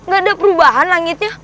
gak ada perubahan langitnya